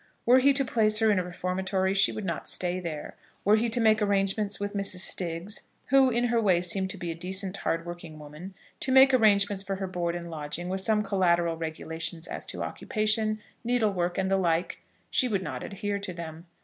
Were he to place her in a reformatory, she would not stay there. Were he to make arrangements with Mrs. Stiggs, who in her way seemed to be a decent, hard working woman, to make arrangements for her board and lodging, with some collateral regulations as to occupation, needle work, and the like, she would not adhere to them.